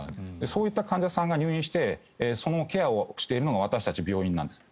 そういった患者さんが入院してそのケアをしているのが私たち、病院なんです。